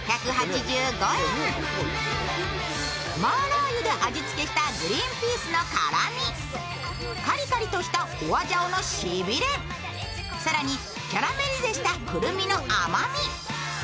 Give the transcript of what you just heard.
麻辣油で味付けしたグリンピースの辛み、カリカリとしたホアジャオのしびれ、更にキャラメリゼしたクルミの甘み。